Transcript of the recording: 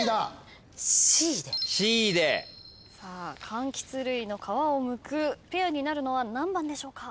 かんきつ類の皮をむくペアになるのは何番でしょうか？